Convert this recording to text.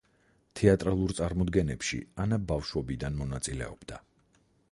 თეატრალურ წარმოდგენებში ანა ბავშვობიდან მონაწილეობდა.